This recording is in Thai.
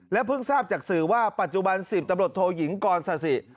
เพิ่งทราบจากสื่อว่าปัจจุบัน๑๐ตำรวจโทยิงกรศาสิ